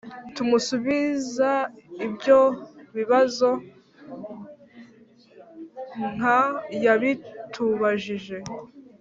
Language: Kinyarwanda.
tumusubiza ibyo bibazo nk yabitubajije.